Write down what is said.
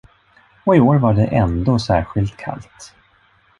Och i år var det ändå särskilt kallt.